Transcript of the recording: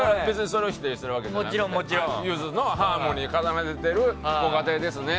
それを否定するわけじゃなくてゆずのハーモニーを奏でているご家庭ですね。